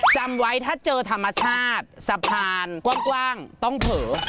จำไว้ถ้าเจอธรรมชาติสะพานกว้างต้องเผลอ